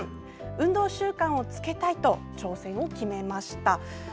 運動習慣をつけたいと挑戦を決めました。